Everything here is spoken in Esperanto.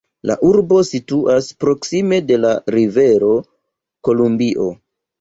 La urbo situas proksime de la Rivero Kolumbio.